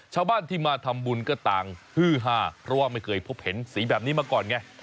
ชาวบ้านที่มาทำบุญก็ต่างฮือฮาเพราะว่าไม่เคยพบเห็นสีแบบนี้มาก่อนไง